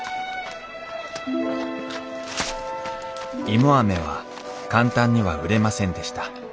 芋アメは簡単には売れませんでした。